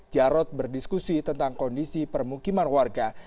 jarod berdiskusi tentang kondisi permukiman warga